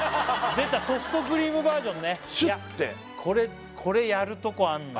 出たソフトクリームバージョンねシュッていやこれこれやるとこあんのよ